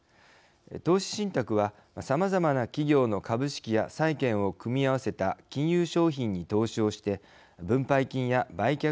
投資信託はさまざまな企業の株式や債券を組み合わせた金融商品に投資をして分配金や売却益を得るものです。